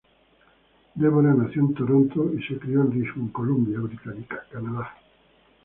Deborah nació en Toronto y se crio en Richmond, Columbia Británica, Canadá.